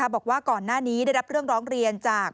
บอกว่าก่อนหน้านี้ได้รับเรื่องร้องเรียนจาก